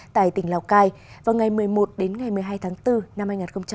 tại tỉnh lào cai vào ngày một mươi một đến ngày một mươi hai tháng bốn năm hai nghìn hai mươi